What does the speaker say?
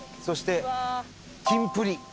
そしてキンプリ。